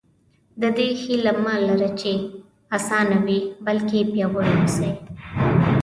د دې هیله مه لره چې اسانه وي بلکې پیاوړي اوسئ.